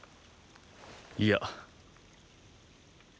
いや。